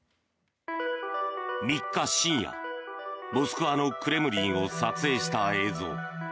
３日深夜、モスクワのクレムリンを撮影した映像。